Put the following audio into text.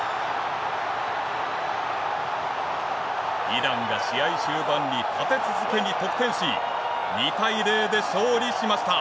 イランが試合終盤に立て続けに得点し２対０で勝利しました。